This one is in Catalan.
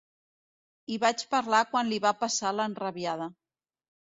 Hi vaig parlar quan li va passar l'enrabiada.